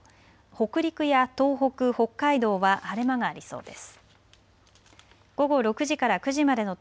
北陸や東北、北海道は晴れ間がありそうです。